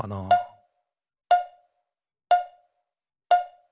ピッ！